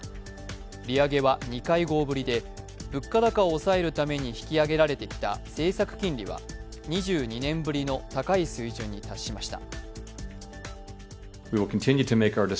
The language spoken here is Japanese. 利上げは２会合ぶりを物価高を押さえるために引き上げられてきた政策金利は２２年ぶりの高い水準に達しました。